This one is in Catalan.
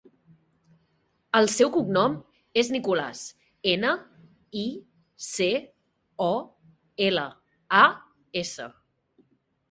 El seu cognom és Nicolas: ena, i, ce, o, ela, a, essa.